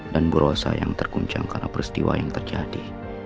dan bu rosa yang terguncang karena peristiwa yang terjadi